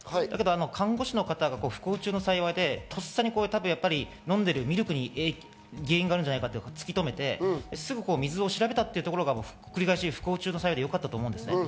看護師の方が不幸中の幸いで、とっさに飲んでいるミルクに原因があるんじゃないかと突き止めて、すぐ水を調べたというところが繰り返し不幸中の幸いでよかったと思う。